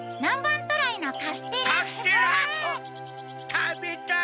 食べたい！